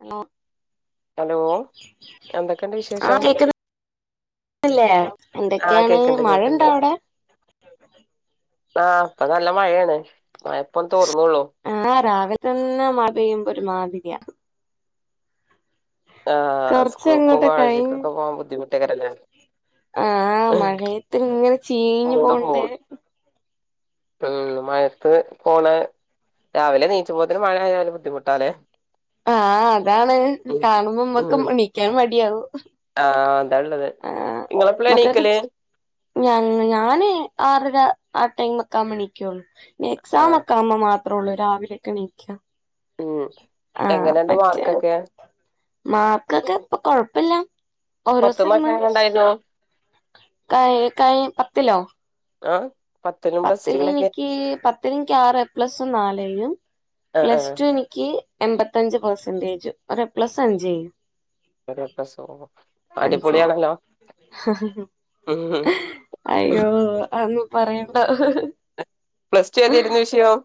അം [unintelligible] hello എന്തൊക്കെയണ്ട് വിശേഷം ല്ലേ ആഹ് എന്തൊക്കെയാണ് കേക്കണ്ട് മഴ കേക്കണ്ട് ഇണ്ടോ അവിടെ ആഹ് ഇപ്പാ നല്ല മഴയാണ്. മഴ ഇപ്പൊ തോരു- ആഹ് രാവിലെതന്നെ മഴ പെയ്യുമ്പോ ഒരു മാതിരിയാ. ആഹ് കൊറച്ച് സ്കൂൾക്കും അങ്ങോട്ട് കോളേജിക്കുംക്കെ പോവാൻ ബുദ്ധിുട്ടക്കല്ല ആ മഴയത്തി ഇങ്ങനെ ചീഞ്ഞ മൂട് പോണ്ടേ പോവും ഉം മയത്ത് പോണ രാവിലെ നീച്ച പോതിന് മഴ ആയാല് ബുദ്ധിമുട്ടല്ലേ ആ അതാണ് കാണുമ്പോ മ്മക്ക് നിക്കാനും മടിയാവോ ആ ആ മക്കളൊക്കെ ഞ ഞാന് ആറര ആ ടൈമ ഒക്കെ ആുമ്പോ നീക്കുള്ളൂ ഇ എക്സാം ആഹ് ഒക്കെ ആമ്പ മാത്രേ ഉള്ളൂ രാവിലെ ഒക്കെ എണീക്ക ഉം എങ്ങനെയണ്ട് മറ്റേ മാർക്കൊക്കെ മാർക്കൊക്കെ ഇപ്പൊ കൊഴപ്പില്ല ഓരോ പത്ത്ന്നൊക്കെ സിനമ എങ്ങനെണ്ടായിരുന്നു കായ കായ പത്തിലോ ആ പത്തി എനിക്ക് പത്തി എനിക്ക് ആറ് പ്ലസും നാലും ആഹ് പ്ലസ് ആഹ് ടു എനിക്ക് എൺമ്പത്തഞ്ച് പെർസെന്റേജ് ഒ പ്ലസ് അഞ്ച് എ യും [unintelligible] അഞ്ചേയും അടിപൊളിയാണല്ലോ ഉം അയ്യോ അന്ന് പറയണ്ട പ്ലസ് ടു ഏതരുന്നു വിഷയം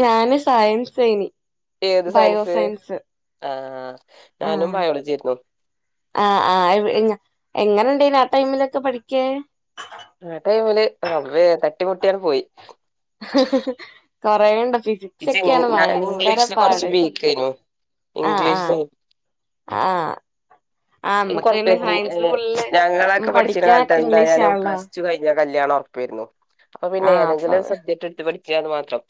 ഞാന് സയൻസേനി ഏത് സയൻസ് ബയോസയൻസ് ആഹ് ഞാനും ബയോളജിയര്ന്നു ആ ആ എങ്ങനെ ഇണ്ടേന ആ ടൈമിലൊക്കെ പഠിക്ക ആ ടൈമല് റവേ തട്ടിമുട്ടിയാന് പോയി കൊറേണ്ട് ഫിസിക്സ് ഇത് ഒക്കെയാണ് ഞാൻ ഭയങ്കര ഇംഗ്ലീഷില് കൊറച്ച് പാട് വീക്കേനു ആഹ് ഇംഗ്ലീഷ ആഹ് ആഹ് ആഹ് ഇനി നമ്മക്ക് കൊറ പേര പിന്നെ സയൻസില് ഫുള്ള് ഞങ്ങളൊക്കെ പഠിച്ചിന്ന കാലത്ത് പഠിക്കാനൊക്കെ എന്തായാല ഇംഗ്ലീഷാണല്ലോ പ്ലസ് ടു കഴിഞ്ഞ കല്യാണം ഉറപ്പരുന്നു അപ്പൊ പിന്നെ ആഹ് അപ്പൊ ഏതെങ്കിലും ഒരു സബ്ജക്ട് എടുത്ത് പഠിച്ച മാത്രം [inaudible]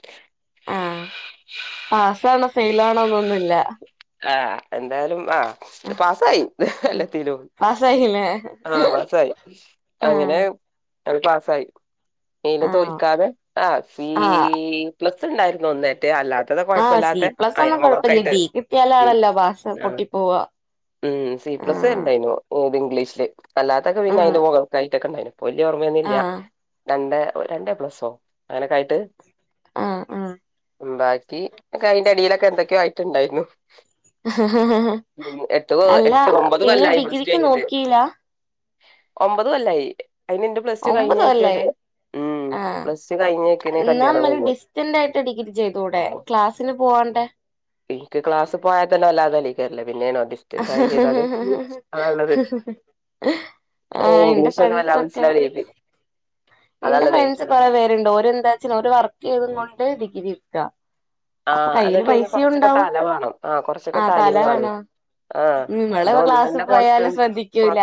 പാസ് ആണോ ഫെൽ ആണോന്നൊന്നില്ല ആഹ് എന്തായാലും ആ പാസായി അല്ലാത്തിലും പാസ്സായില്ലേ ആ പസായി അങ്ങനെ ആഹ് അ പാസായി എയ്ലും ആഹ് തോൽക്കാതെ ആ സി ആഹ് പ്ലസ് ഉണ്ടായിരുന്നു ഒന്നേറ്റെ അല്ലാത്തത് കൊഴപ്പല്ലാത്ത പ്ലസൊന്നും കുഴപ്പല്ല ഡീ കിത്തിയാലാണല്ലോ പാസ് ആ പൊട്ടി പോവാ ഉം സി പ്ലസ് ആഹ് ഉണ്ടായിരുന്നു ഇത് ഇംഗ്ലീഷില് അല്ലാത്തൊക്കെ പിന്നെ ആഹ് അതിന്റെ മുകള്ക്കായിട്ടൊക്കെ ഉണ്ടായിരുന്നു വല്യ ഓർമ്മയൊന്ന ഇല്ല രണ്ട രണ്ടേ പ്ലസോ അങ്ങനൊക്കെ ആയിട്ട് ആ ആ ഉ ബാക്കി അന്റെ അടിയിലൊക്കെ എന്തൊക്കെയ ആയിട്ട്ണ്ടായിരുന്നു എട്ട് അല്ല എട്ട് ഒമ്പത് പിന്നെ കൊല്ലായി പ്ലസ് ടു ഡിഗ്രിക്ക് കഴിഞ്ഞിട്ട് നോക്കിലാ ഒമ്പത് കൊല്ലായി അയിന് ഇന്റെ പ്ലസ് ടു കഴിഞ്ഞക്കന്നെ ആ കല്യാണം എന്നാ ഡിസ്റ്റന്റായിട്ട് ഡിഗ്രി ചെയ്തൂടെ കഴിഞ്ഞു ക്ലാസ്സിന് പോവാ ണ്ടേ എനിക്ക് ക്ലാസ് പോവാ തന്നെ വല്ലാതെ അല്ല പിന്നെ ഡിസ്റ്റന്റ് ആയി ചെയ്താല് നല്ലത് ആഹ് എന്റെ ഇംഗ്ലീഷ് ഒന്നും വല്ലാ മനസിലാവൂലെ ഇന്റെ ഫ്രണ്ട്സ് കൊറേ പേരുണ്ട്. ഓരെന്താ വച്ച് ണ് വർക്ക് ചെയ്തും കൊണ്ട് ഡിഗ്രിട്ക്കാ ആഹ് അതൊക്കെ അയ്ന് കൊറച്ചൊക്കെ തല വാണം. ആഹ് കൊറച്ചൊക്കെ ആ തലിം തല വാണേ വേണം ആഹ് ഉം ഇവള് ക്ലാസ് ഇതോന്നന്നേ പോയാല് കോൺസ്ട്രൻ പോ ശ്രദ്ധിക്കൂല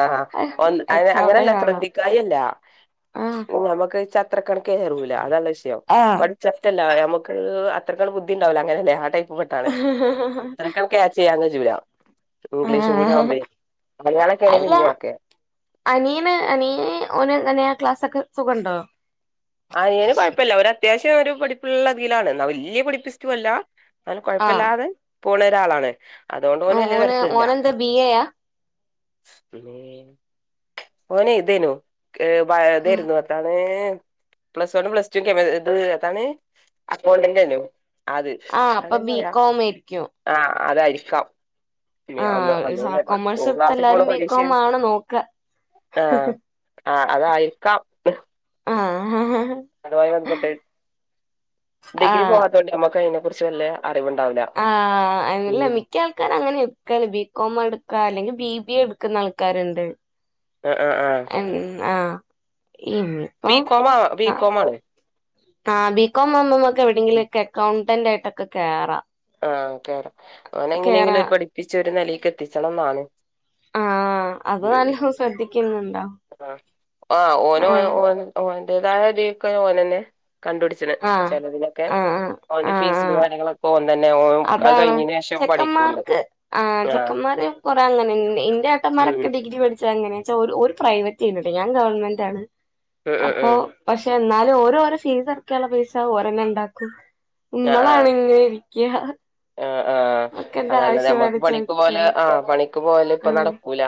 ആഹ് ഒന്ന് അത് എക്സാം അങ്ങനല്ല ടൈം സ്ര ആണോ ദ്ധിക്കായിയല്ലാ ആഹ് നമക്ക് ച്ചത്ര കണക്കേറൂലാ. അതല്ല വിഷ്യോം. ആഹ് പഠിച്ചത്തല്ല നമക്ക് ഹ് അത്രക്കങ്ട്ട് ബുദ്ധിണ്ടാവൂലാ അങ്ങനെയല്ല. ആ ടൈപ്പ് പെട്ടാണ്. അത്രക്ക ക്യാച്ചെയ്യാ കജൂലാ ഇംഗ്ലീഷും കൂടി ആഹ് ആവുമ്പേ മലയാളൊക്കാണെങ്കി അല്ല പിന്നേം ഓക്കെ. അനിയന് അനിയന് ഓന് അനേ ആ ക്ലാസൊക്കെ സുഖണ്ടോ? അനിയന് കൊഴപ്പല്ല. ഒരത്യാവശ്യൊരു പഠിപ്പുള്ളതിലാണ്. ന്നാ വല്ല്യ പഠിപ്പിസ്റ്റും അല്ലാ ന്നാലും ആഹ് കൊഴപ്പല്ലാതെ പോണൊരാളാണ്. അതോണ്ടോന് വല്ല്യ ഓന് തെര്ക്കില്ല ഓനെന്താ ബി എയാ ഇമ്മേ ഓനെ ഇതേനു. ഏഹ് വഴ് ഇതേര്ന്നു എത്താണ് പ്ലസ് വണ്ണും പ്ലസ് ടൂം കെമ് ഇത് എതാണ് അക്കൗണ്ടൻ്റെനു അത് ആഹ് അപ്പൊ [unintelligible] ബികോം ആയിരിക്കും ആഹ് അതായിര്ക്കാം. ഇനി അന്ന് ആഹ് [unintelligible] കൊമേഴ്സ് ഓൻ എടുത്ത ക്ലാസ്സ് പോണ എല്ലാരും ബികോം പരീഷയാണ്. ആണ് നോക്ക ആഹ് ആഹ് അതായിര്ക്കാം. ആഹ് അധവാ [unintelligible] ഡിഗ്രി ആഹ് പോവാത്തോണ്ട് ഞമ്മക്ക് അയിനെക്കുറിച്ച് വല്ല്യ ആഹ് അല്ല മിക്ക ആൾക്കാരും അങ്ങനേ [unintelligible] ബീക്കോമെട് ക്കാ അല്ലെങ്കി ബിബിഎ എടുക്കുന്നാൾക്കാര്ണ്ട്. ആ ആ ആ എൻ ആഹ് ഇവിട് ഇപ്പം ബികോം ആഹ് ബികോം ആണ് ആഹ് ബീകോം ആവുമ്പൊ ഇമ്മക്ക് എവിടേങ്കിലൊക്കെ എക്കൗണ്ടന്റ് ആയിട്ടൊക്കെ കേറാം. ആഹ് കേറാം കേറാ ഓനെയെങ്ങനെങ്കിലും ഒരു പഠിപ്പിച്ച് ഒര് നെലേക്കെത്തിച്ചണന്നാണ്. ആഹ് അത് നല്ലോം ശ്രദ്ധിക്കുന്നുണ്ടോ ആഹ് ഓന് ആഹ് ഓ ഓൻ [unintelligible] ഉപയോഗിക്കാനു ഓനെന്നേ കണ്ടുപിടിച്ചണ് ആഹ് ചെലവിനൊക്കെ ആഹ് ആഹ് ഓന്റെ ആഹ് ഫീസും ആഹ് കാര്യങ്ങളൊക്കെ ഓൻ തന്നെ ഓൻ അത് അതാണ് കഴിഞ്ഞതിന് ശേഷം പണിക്കൂണ്ട് ചെക്കന്മാർക്ക് ആഹ് ചെക്കന്മാര് കൊറേ അങ്ങനെ ഇണ്ട് ഇന്റെ ഏട്ടന്മാരെ ഉം ക്കെ ഡിഗ്രി പഠിച്ചതങ്ങനെയാച്ചാ ഓര് ഓര് പ്രൈവറ്റെയ്‌നിയ്ട്ടോ ഞാൻ ഗവൺമെന്റ് ആണ് ഉം ഉം അപ്പൊ ഉം പഷേ എന്നാലും ഓരോരെ ഫീസടക്കാള്ള പൈസ ഓരന്നെണ്ടാക്കും ആഹ് ആഹ് ഇമ്മളാണെങ്കി ആഹ് ആഹ് എന്താ അതാണ് ആവശ്യം നമ്മക്ക് വേണേ പണിക്ക് പോല് ചോദിക്കാണ് ആഹ് പണിക്ക് പോല് ഇപ്പ നടക്കൂല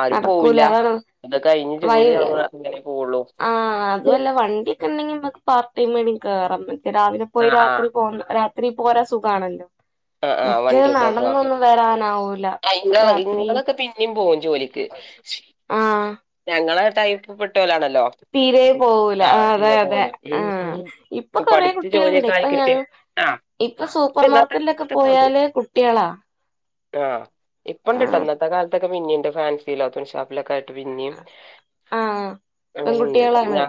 ആരും നടക്കൂലാ അതാണ്. അത് കഴിഞ്ഞ് വൈ ജോലി ആവാ അങ്ങനേ പോവുള്ളു ആഹ് അതുവല്ലാ വണ്ടിക്കെണ്ടെങ്കി ഇമ്മക്ക് പാർട്ട് ടൈം ഏടേം കേറാൻ പറ്റ് രാവിലെ പോയി ആഹ് ആഹ് രാത്രി പോന്ന് രാത്രി പോരാൻ സുഖാണല്ലോ ആഹ് ആഹ് മറ്റേ വണ്ടിപ്പോ ഓക്കെ നടന്നൊന്നും വരാനാവൂല അയ് ഇങ്ങള് രാത്രി ഇങ്ങളൊക്കെ പിന്നെയും പോം ജോലിക്ക് ഷ് ആഹ് ഞങ്ങളെ ടൈപ്പ്പ്പെട്ടോലാണല്ലോ തോ തീരെ പോവൂല താ ആഹ് അതെ തീലെ അതെ പോല ആഹ് [unintelligible] ഇപ്പൊ പ്പൊ കൊറേ പഠിച്ച് കുട്ടികളുണ്ട് ജോലിയൊക്കായി ഇപ്പൊ കിട്ടി ഞങ്ങ ആ ഇപ്പൊ സൂപ്പർമാർക്കറ്റിലൊക്കെ പോയാല് കുട്ട്യോളാ ആ ഇപ്പണ്ട്ട്ടോ. ഇന്നത്തെ കാലത്തൊക്കെ പിന്നിണ്ട് ഫാൻസീലോ തുണിഷാപ്പിലൊക്കായിട്ട് പിൻ ആ അങ്ങനണ്ട് ഞാ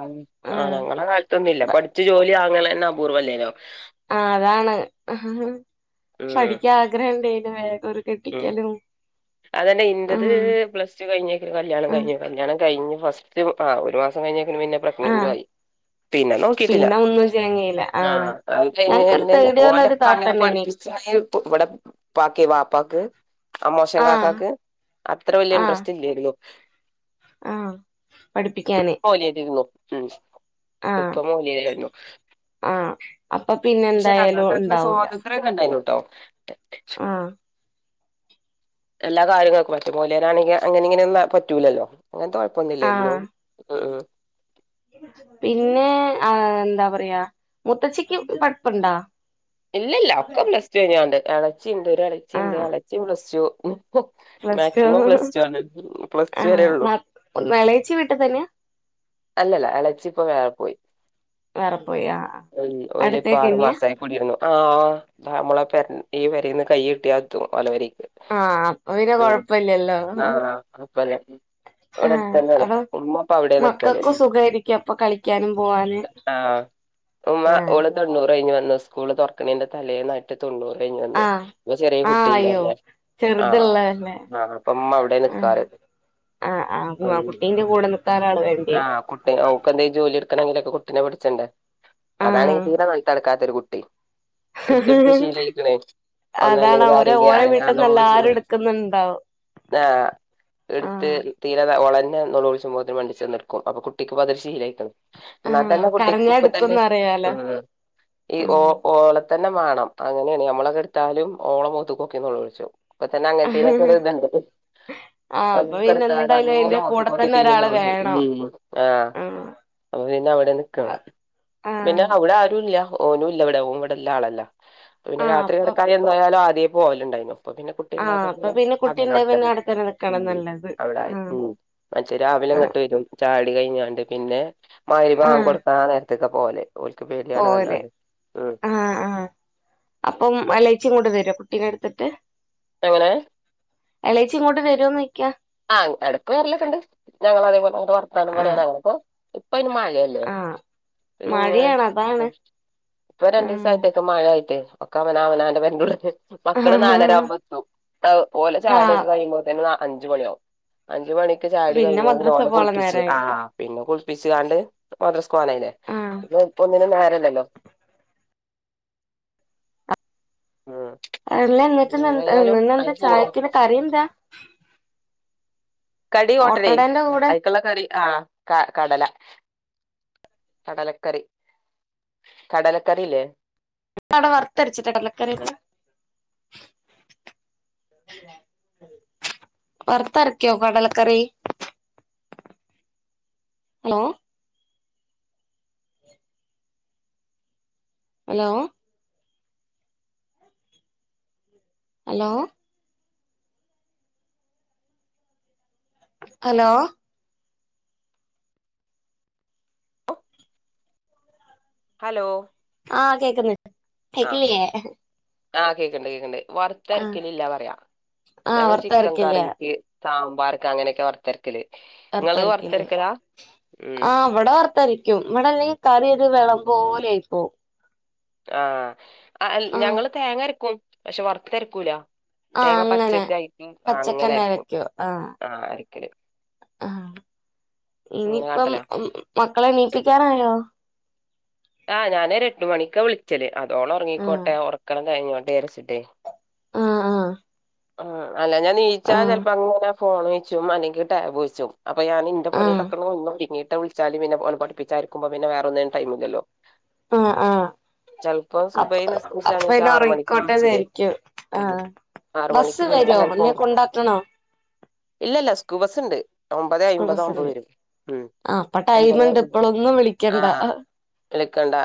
ആ ആഹ് ഞങ്ങളെ കാലത്തൊന്നുല്ല പഠിച്ച് ജോലി വാങ്ങ്ണെ ന്നപൂർവല്ലേന്നോ ആ അതാണ് ഉം പഠിക്കാഗ്രഹണ്ടെയ്നു വേ ഉം കെട്ടിക്കലും അതന്നെ ഇന്റത് ആഹ് പ്ലസ് ടു കഴിഞ്ഞേക്ന് കല്യാണം ആഹ് കഴിഞ്ഞു. കല്യാണം കഴിഞ്ഞു ഫസ് റ്റ് ആ ഒരു മാസം കഴിഞ്ഞേക്കിന് പിന്നെ പ്രെഗ്നന്റു ആഹ് ആയി. പിന്നെ നോക്കീട്ടില്ല. പിന്നെ ഒന്നും ചങ്ങയില്ല ആ ആഹ് അഹ് ഞങ്ങക്കൊരു കഴിഞ്ഞെതെന്നെ തേർഡ് ഇയറിൽ ഒരു ഓന്റെപ്പങ്ങനെ താത്തണ്ടേനി പഠിപ്പിസ്റ്റായി ഇവിടെ പ്പാക്കെ പ്പാക്ക് അമോശൻ ആഹ് കാക്കാക്ക് അത്ര വല്ല്യ ആഹ് ഇൻഡ്രസ്റ്റ് ഇല്ല്യാര്ന്നു. ആഹ് പഠിപ്പിക്കാന് മോലേരെരുന്നു ഉം. ആഹ് ഉപ്പ മോലേരെരുന്നു. ആഹ് അപ്പൊ പിന്നെ ക്ഷെ എന്തായാലും ഞങ്ങക്കൊക്കെ ഉണ്ടാവൂല സ്വാതന്ത്ര്യം ഒക്കെണ്ടായിന്നുട്ടോ. ആഹ് എല്ലാ കാര്യങ്ങക്കും പറ്റും മൊലേരാണെങ്കി അങ്ങനിങ്ങനെ ഒന്നും താ പറ്റൂലല്ലോ. അങ്ങനത്തെ കൊഴപ്പൊന്നുല്ലായിരുന്നു ആഹ് ഉം ഉം. പിന്നെ ആ എന്താപറയാ മുത്തച്ചിക്ക് പഠിപ്പ്ണ്ടാ? ഇല്ലല്ല ഒക്കെ പ്ലസ് ടു കയിഞ്ഞാണ്ട്. ഇളച്ചി ഉണ്ട് ഒരഇളച്ചിണ്ട് ആഹ് ഇളച്ചി plus two. Maximum plus two ആണ്. പ്ലസ് ടു വര ഉള്ളു. ആഹ് എളേച്ചി വീട്ടി തന്നെയാ അല്ലല്ല എളച്ചിപ്പൊ വേറെ പോയി. വേറെ പോയി ആ ഓൽ ഇപ്പ ആറു അടുത്തേക്കന്നെയാ മാസയികൂടിരുന്നു. ആ ആ. നമ്മളെ പേ ഈപേരെന്ന് കയ് നീട്ടിയാത്തും. ഓലെ പെരേയ്ക്. ആഹ് അപ്പൊ പിന്നെ ഉം കൊഴപ്പല്ലല്ലോ ആ ആ അപ്പലെ. ഇവിടെ ആഹ് അടുതന്നെണ് അപ്പൊ ഉമ്മപ്പ അവിടാനിക്ക. ൽ മക്കൾക്കും സുഖായിരിക്കും അപ്പൊ കളിക്കാനും പോവാന് ആഹ ഉമ്മ ആഹ് ഓള് തോന്നൂറ് കഴിഞ് വന്നു ഉസ്കൂള്. തുറക്കണെന്റെ തലേനായിട്ട് തൊണുർകഴിഞ്ഞ് വന്നേ. ആഹ് ഇപ്പൊ ചെറിയ കുട്ടി അയ്യോ ഇളലെ. ആഹ് ചെറുതുള്ളതല്ലേ ആ അപ്പം മ്മാ അവിടെ ആഹ് നിക്കാറ്. ആഹ് ആ് കുട്ടീന്റെ കൂടെനി ആ കുട്ടി ഓൾക്ക് എന്തേലും ജോലി എടുക്കണെങ്കിലൊക്കെ കുട്ടി. കുട്ടിനെ പിടിച്ചണ്ടെ അതാണ് ആഹ് തീരെ നെലത്ത്ക്കാത്തൊരു കുട്ടിം. ഇടുത്തടുത്ത് സ്വീലായിക്കണേ. അതാണ് ഒന്നല്ലെങ്കിൽ ഓരോ ആരെങ്കും ഓരോ വീട്ടിൽന്ന് എല്ലാരും അനങ്ങാടെ. എടുക്കുന്നുണ്ടാവും ആ എടുത്ത് ആഹ് തീരെ ഒളന നേലോളിച്ചുപ്പത്തേ മണ്ടിചെന്നെടുക്കും അപ്പ കുട്ടിക്ക്പതൊരു ശീലായിക്കണ്. എന്നാൽ ആഹ് തന്നെ കുട്ടിക്ക് കരഞ്ഞാ ഇപ്പ തന്നെ എടുക്കുംന്ന് ഉ അറിയാലോ ഈ ഓ ഓ. തന്നെ മാണം അങ്ങനെയാണ് മ്മളൊക്കെ എടുത്താലും. ഓളമൊത്തെക്കോക്കി നേലോള്ളിച്ചും. ഇപ്പംതനെ അങ്ങനത്തെനൊക്കെ ആഹ് ഒരു ഇതിണ്ട്‌. [unintelligible] ആഹ് അപ്പൊ പിന്നെ എന്തായാലും അയിന്റെ മോത്ത് കൂടെ കോകി തന്നെ ഒരാള് വേണം മ്മ് ആ. ആഹ് അപ്പൊ പിന്നെ അവിടെ നിക്കണെ പിന്നെ ആഹ് അവിടെ ആരുല്ല. ഓനും ഇല്ല ഇവിടെ ഓൻ ഇവിടെ ഇള്ള ആളല്ല. പിന്നെ ആഹ് രാത്രി അപ്പൊ കിടക്കാനെന്തായാലും ആദ്യേ പോവലണ്ടേയ്നു. അപ്പ പിന്നെ ആഹ് കുട്ടിണ്ടായപ്പ അപ്പൊ പിന്നെ കുട്ടിയുണ്ടെ പിന്നെ അവിടെത്തന്നെ. ഉ നിക്കണ നല്ലത് അവിടായി ആഹ് മറ്റേത് രാവിലെ ആഹ് ഇങ്ങട്ട് വരും. ചായോടി കഴിഞ്ഞാണ്ട്. പിന്നെ മരിബി ഭാഖ്കൊടുക്കാൻ. നേരത്തൊക്കെ പോവല്. ഓൽക്ക് പേടിയാണ് പോവല് കണ്ടാണ്ട് ഉം ആഹ ആ അപ്പം എള ച്ചി ങ്ങട്ട് വേരൊ കുട്ടിനെഎടുത്തിട്ട്. എങ്ങനെ. എളേച്ചി ഇങ്ങോട്ട് വരൊന്ന് ചോ ആഹ എടുക്ക് വെരലൊക്കെണ്ട്. ഞങ്ങള അതേപോലെ അങ്ങട്ട് വർത്താനം ആഹ് പറയനങ്ങാടൊകും. ഇപ്പയിൻ മഴയല്ലേ. ആഹ് പിനെ മഴയാണ് അതാണ് ഇപ്പൊ ആഹ് രണ്ടീസായിട്ടൊക്കെ മഴ ആയിട്ടേ. ഒക്ക അവന അവനാന്റെ പേരെന്റെ ഉള്ളിലനേ മക്കള് ആഹ് നാലരാവുമ്പോഎത്തും ഓലെ ആഹ് ചായുടിയൊക്കെ കഴിയുമ്പോത്തനെ നാല്. അഞ്ച്അ മണിയാവും അ. മണിക്ക് ചായുടി പിന്നെ കഴിഞ്ഞ മദ്രസ ഓലെ പോവാള്ള കുളിപ്പിച്ച് ആ നേരായി പിന്നെ കുളിപ്പിചങ്ങാണ്ട് മദ്രസ്കോവാനായിലെ. ആഹ് ഇപ്പോ ഒന്നിനും നേരല്ലലോ. ഉം അല്ല ന്നിട്ട്ഇന്നെന്ത ഏതായാലും ഇന്ന് അയി എന്താ കൂടും ചായക്കിന് കറി എന്താ. കടി ഓട്ടടെ ഓട്ടടേന്റെ കൂടെ അയിക്കുള്ള കറി ആഹ ക കടല. കടലക്കറി കടലക്കറില്ലേ? ഇതവിടെ വറത്തരിച്ചിട്ട കടലക്കറി. വറുത്തരയ്ക്കോ കടലക്കറി. Hello? Hello? Hello? Hello? Hello ആഹ് കേക്ന്ന്ണ്ട് കേക്ക്ല്യേ ആഹ് കേക്കണ്ട് കേക്കണ്ട് വറുത്തരക്കലില്ലാ പറയാ ആഹ് ഞങ്ങള് ചിക്കൻ വറുത്തരക്കില്ലേ കറിക്ക് സാമ്പാർക്ക് അങ്ങനെയൊക്കെ വർത്തരക്കല് വർത്തരക്കല് ഉം ആഹ് വട വർത്തരക്കും ഉം ഇവടെ അല്ലങ്കി കറി ഒരു വെള്ളംപോലെ ആയിപ്പോഉം ആഹ് ഞങ്ങള് തേങ്ങ അരക്കും പക്ഷെ വറത്തരക്കൂല ആഹ് തേങ്ങ അങ്ങനെ പച്ചക്ക് അയിക്കും അങ്ങനെ അരക്കും ആഹ് അരക്കല് ആഹ് അങ്ങനെ ഇനിപ്പം കാട്ടലാ മക്കളെ നീപ്പിക്കാനായോ ആഹ് ഞാന് ഒരു എട്ട് മണിക്കാ വിളിച്ചല് അതോളം ആഹ് ഒറങ്ങിക്കോട്ടെ ഉറക്കണം കഴിഞ്ഞോട്ടേരായിച്ചിട്ടേ ആഹ് ആഹ് ആഹ് അല്ലാഞ്ഞ നീച്ചാ ആഹ് ചെലപ്പോ അങ്ങനെ ഫോൺ യിച്ചും അല്ലെങ്കി ടാബ് യിച്ചും അപ്പൊ ഞാന് ന്റെ പണി ആഹ് തക്കാ ഒന്ന് ഒരുങ്ങീട്ട് വിളിച്ചാല് പിന്നെ ഓലെ പഠിപ്പിച്ചായിരിക്ക്മ്പോ പിന്നെ വേറെ ഒനിന്നും ടൈംല്ലല്ലോ ആഹ് ആഹ് സുബഹി അത് നിസ്കരിച്ചാണീച്ചാ പിന്നെ ആറ് മണിക്ക് ഉറങ്ങിക്കോട്ടെന്ന് വിളിച്ചില് ആയിരിക്കും ഉം ആഹ് ആറ് മണിക്ക് ബസ്സ് നീച്ചാ വരോ ചെലപ്പോ അല്ലേ കൊണ്ടാക്കണോ ഇല്ലല്ല സ്കൂൾബസുണ്ട് ഒമ്പതെ സ്കൂൾ അയിമ്പത് ആവുമ്പോ ബസ്സുണ്ട് വരും മം ആ അപ്പൊ ഒമ്പത് ടൈമുണ്ട് ഇപ്പോളൊന്നും വിളിക്കണ്ട ആഹ് വിളിക്കണ്ടാ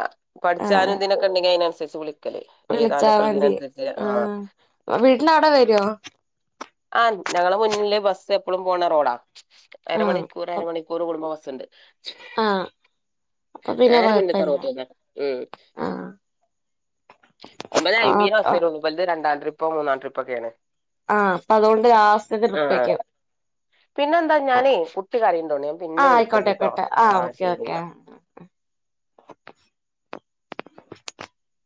ആ പഠിച്ചാനും ഇതിനൊക്കെ ഉണ്ടെങ്കിൽ അതിനനുസരിച്ച് വിളിക്കും ക്കല് വിളിച്ചാ എഴുതാനൊക്കെ ഉള്ളേന് മതി അനുസരിച്ച് ആ ആഹ് വീട്ടിന്റെ അവിടെ വരുവോ ആഹ് ഞങ്ങള മുന്നില് ബസ്സ് എപ്പളും പോണ റോഡാ ആ അരമണിക്കൂർ അരമണിക്കൂർ കൂടുംബ ബസ്ണ്ട്. ആഹ് അപ്പൊ പി നേര മുന്ന്ത്തെ റോഡന്നെ ഉം. ഒമ്പതെ അയിബെന ഓക്കെ ബസ്സ് വരോള്ളു ഇവൽത് രണ്ടാം ട്രിപ്പോ മൂന്നാം ട്രിപ്പ്‌ ഒക്കെ ആണ്. ആഹ് അതോൻ ണ്ട് ലാസ്റ്റ് ത്തെ ട്രിപ്പ് ആയിക്കും. പിന്നെ എന്താ ഞാനേ കുട്ടി കരയിണ്ടോണ് ഞാൻ ആ പിന്നെ ആയിക്കോട്ടെ വിളിക്കണ്ട് ട്ടോ ആയിക്കോട്ടെ ആ ആഹ് ഓക്കെ ശരി ഓക്കെ ന്നാ. [inaudible] ആ [unintelligible]